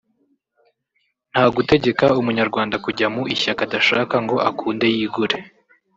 nta gutegeka umunyarwanda kujya mu ishyaka adashaka ngo akunde yigure